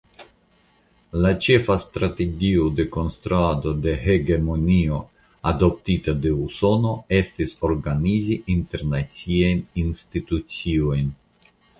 La ĉefa strategio de konstruado de hegemonio adoptita de Usono estis organizi internaciajn instituciojn.